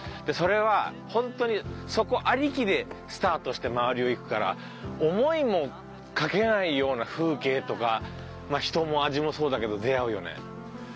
でそれはホントにそこありきでスタートして周りを行くから思いもかけないような風景とか人も味もそうだけど出会うよね。